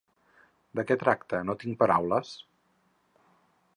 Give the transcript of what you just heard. De què tracta 'No tinc paraules'?